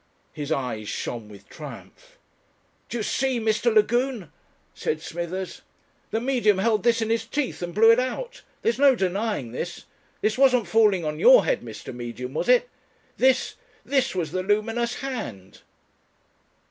His eyes shone with triumph. "Do you see, Mr. Lagune?" said Smithers. "The Medium held this in his teeth and blew it out. There's no denying this. This wasn't falling on your head, Mr. Medium, was it? This this was the luminous hand!"